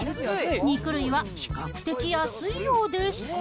肉類は比較的安いようです。